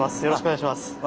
よろしくお願いします。